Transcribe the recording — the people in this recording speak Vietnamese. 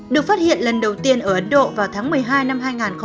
được phát hiện lần đầu tiên ở ấn độ vào tháng một mươi hai năm hai nghìn hai mươi